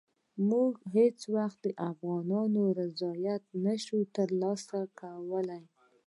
موږ هېڅ وخت د افغانانو رضایت نه شو ترلاسه کولای.